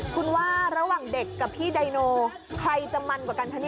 คุณว่าระหว่างเด็กกับพี่ไดโนใครจะมันกว่ากันคะเนี่ย